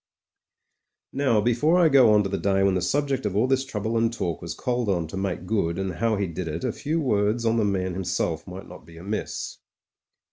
•.•••• Now, before I go on to the day when the subject of all this trouble and talk was called on to make good, and how he did it, a few words on the man himself might not be amiss.